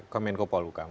ke menkopol hukam